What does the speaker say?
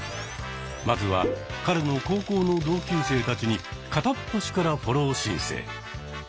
まずは彼の高校の同級生たちに片っ端からフォロー申請。